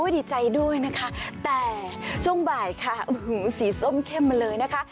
ดีใจด้วยนะคะแต่ช่วงบ่ายค่ะสีส้มเข้มมาเลยนะคะ